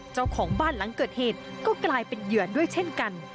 เจ้าของบ้านหลังเกิดเหตุก็กลายเป็นเหยื่อด้วยเช่นกัน